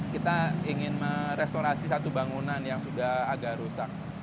kita ingin merestorasi satu bangunan yang sudah agak rusak